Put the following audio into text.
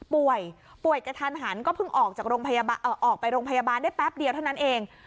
ป่วยป่วยกระทานหันก็เพิ่งออกไปโรงพยาบาลได้แป๊บเดียวเท่านั้นเอง